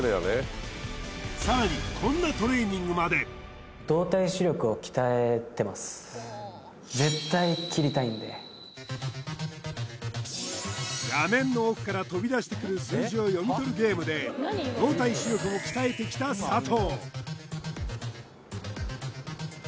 こんなトレーニングまで画面の奥から飛び出してくる数字を読み取るゲームで動体視力も鍛えてきた佐藤